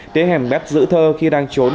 tế hẻm mét giữ thơ khi đang trốn